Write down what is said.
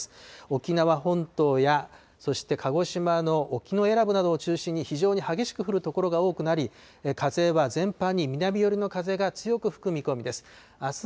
沖縄本島やそして鹿児島の沖永良部などを中心に非常に激しく降る所が多くなり、風は全般に南寄りの風が強く吹く見込みです。